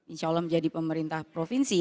insya allah menjadi pemerintah provinsi